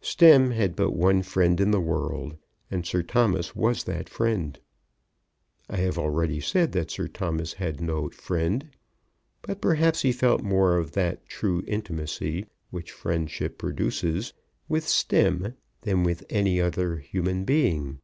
Stemm had but one friend in the world, and Sir Thomas was that friend. I have already said that Sir Thomas had no friend; but perhaps he felt more of that true intimacy, which friendship produces, with Stemm than with any other human being.